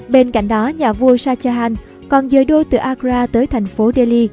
bên cạnh đó nhà vua shah jahan còn dời đô từ agra tới thành phố delhi